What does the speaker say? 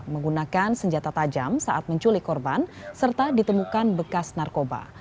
menggunakan senjata tajam saat menculik korban serta ditemukan bekas narkoba